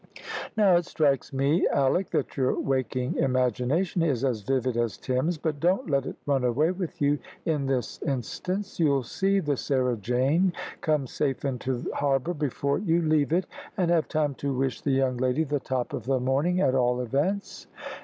"Now it strikes me, Alick, that your waking imagination is as vivid as Tim's; but don't let it run away with you in this instance. You'll see the Sarah Jane come safe into harbour before you leave it, and have time to wish the young lady the top of the morning, at all events."